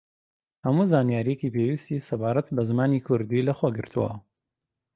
هەموو زانیارییەکی پێویستی سەبارەت بە زمانی کوردی لە خۆگرتووە